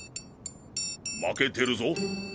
負けてるぞ。